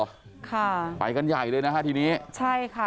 ค่ะไปกันใหญ่เลยนะฮะทีนี้ใช่ค่ะ